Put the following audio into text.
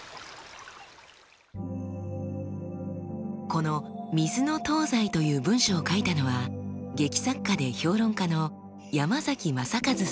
この「水の東西」という文章を書いたのは劇作家で評論家の山崎正和さんです。